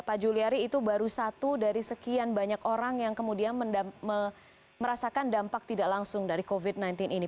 pak juliari itu baru satu dari sekian banyak orang yang kemudian merasakan dampak tidak langsung dari covid sembilan belas ini